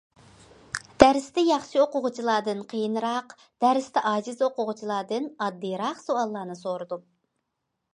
دەرستە ياخشى ئوقۇغۇچىلاردىن قىيىنراق، دەرستە ئاجىز ئوقۇغۇچىلاردىن ئاددىيراق سوئاللارنى سورىدىم.